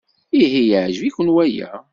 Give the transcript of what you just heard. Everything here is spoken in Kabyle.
Ihi yeɛjeb-iken waya?